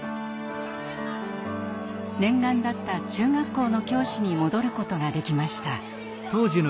念願だった中学校の教師に戻ることができました。